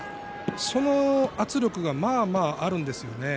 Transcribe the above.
その圧力がまあまああるんですよね。